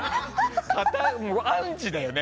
アンチだよね